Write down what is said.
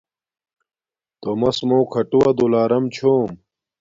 تومس موں کھاٹووہ دولارم چھوم